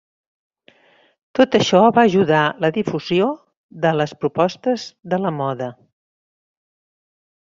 Tot això va ajudar la difusió de les propostes de la moda.